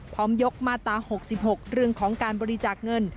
พร้อมยกมาตรา๖๖เรื่องของการบริจาคเงิน